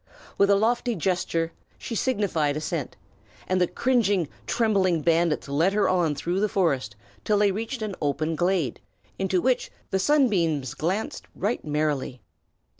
With a lofty gesture she signified assent, and the cringing, trembling bandits led her on through the forest till they reached an open glade, into which the sunbeams glanced right merrily.